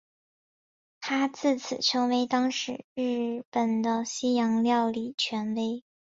他自此成为当时日本的西洋料理权威。